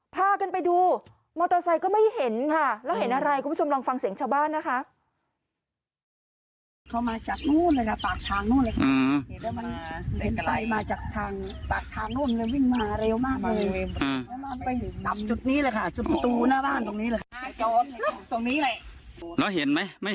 พากันไปดูมอเตอร์ไซค์ก็ไม่เห็นค่ะแล้วเห็นอะไรคุณผู้ชมลองฟังเสียงชาวบ้านนะคะ